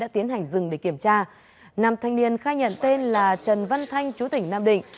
khi kiểm tra nam thanh niên khai nhận tên là trần văn thanh chú tỉnh nam định